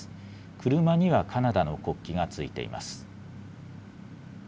車にはカナダの国旗がついています。